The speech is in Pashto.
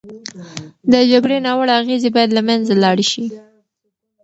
د جګړې ناوړه اغېزې باید له منځه لاړې شي.